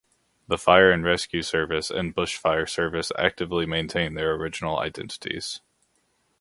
The Fire and Rescue Service and Bush Fire Service actively maintain their original identities.